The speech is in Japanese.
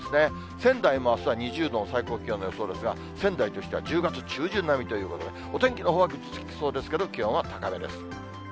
仙台もあすは２０度、最高気温の予想なんですが、仙台としては１０月中旬並みということで、お天気のほうがぐずつきそうですけれども、気温は高めです。